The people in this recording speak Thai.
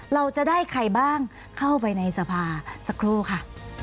เราจะได้ใครบ้างเข้าไปในสภาสักครู่ค่ะ